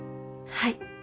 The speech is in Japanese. はい。